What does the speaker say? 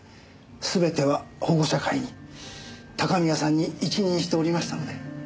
全ては保護者会に高宮さんに一任しておりましたので。